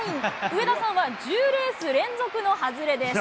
上田さんは１０レース連続の外れです。